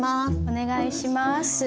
お願いします。